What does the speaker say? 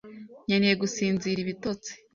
Nkeneye gusinzira ibitotsi.